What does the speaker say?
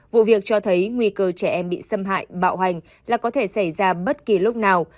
vụ việc cho thấy nguy cơ trẻ em bị xâm hại bạo hành là có thể xảy ra bất kỳ lúc nào